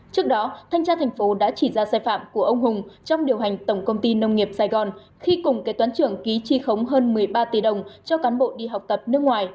trước đó thanh tra thành phố đã chỉ ra sai phạm của ông hùng trong điều hành tổng công ty nông nghiệp sài gòn khi cùng kế toán trưởng ký tri khống hơn một mươi ba tỷ đồng cho cán bộ đi học tập nước ngoài